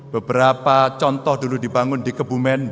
beberapa contoh dulu dibangun di kebumen